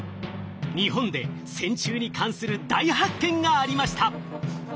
日本で線虫に関する大発見がありました。